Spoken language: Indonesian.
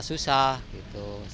banyak sekali yang menjualnya